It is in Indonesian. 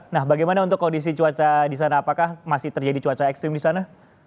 nah bagaimana untuk kondisi cuaca di sana apakah masih terjadi cuaca ekstrim di sana